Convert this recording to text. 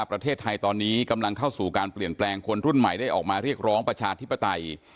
เราจะเรียกร้องประชาธิปไตย